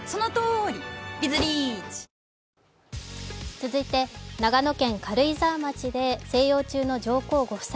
続いて、長野県軽井沢町で静養中の上皇ご夫妻。